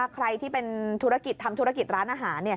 ใครที่เป็นธุรกิจทำธุรกิจร้านอาหาร